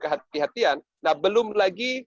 hati hatian nah belum lagi